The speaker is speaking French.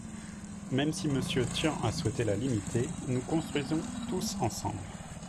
Même si Monsieur Tian a souhaité la limiter, Nous construisons tous ensemble